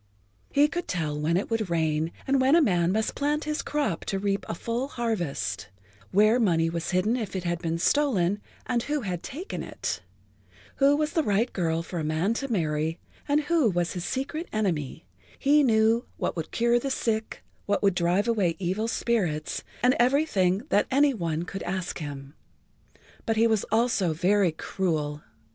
He could tell when it would rain and when a man must plant his crop to reap a full harvest, where money was hidden if it had been stolen and who had taken it, who was the right girl for a man to marry and who was his secret enemy, he knew what would cure the sick, what would drive away evil spirits and everything that any one could ask him. But he was also very cruel.